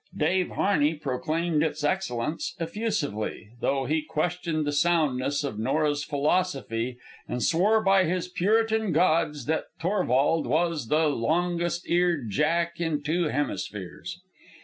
Dave Harney proclaimed its excellence effusively, though he questioned the soundness of Nora's philosophy and swore by his Puritan gods that Torvald was the longest eared Jack in two hemispheres.